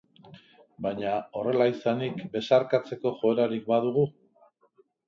Baina, horrela izanik, besarkatzeko joerarik ba dugu?